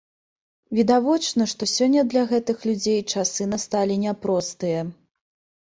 Відавочна, што сёння для гэтых людзей часы насталі няпростыя.